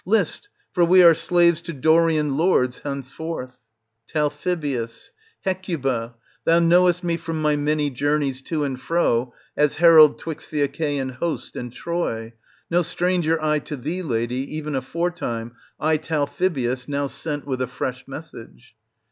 List, for we are slaves to Dorian lords henceforth. Tal. Hecuba, thou knowest me from my many journeys to and fro as herald 'twixt the Achaean host and Troy ; no stranger I to thee, lady, even aforetime, I Talthybius, now sent with a fresh message.